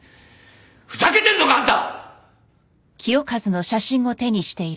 ふざけてんのかあんた！